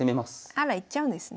あら行っちゃうんですね。